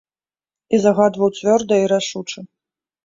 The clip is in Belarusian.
І загадваў цвёрда і рашуча.